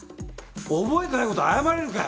覚えてないこと謝れるかよ。